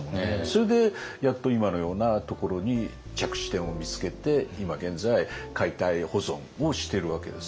それでやっと今のようなところに着地点を見つけて今現在解体保存をしてるわけですよね。